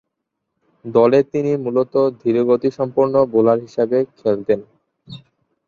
দলে তিনি মূলতঃ ধীরগতিসম্পন্ন বোলার হিসেবে খেলতেন।